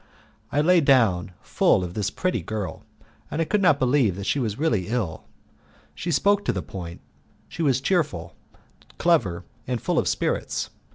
I lay down full of this pretty girl, and I could not believe that she was really ill. She spoke to the point, she was cheerful, clever, and full of spirits.